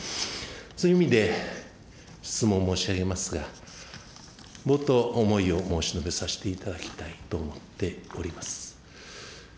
そういう意味で、質問申し上げますが、冒頭、思いを申し述べさせていただきたいと思っております。